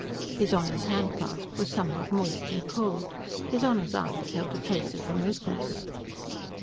His Honor's handclasp was somewhat moist and cold. His Honor's eyes held a trace of remoteness.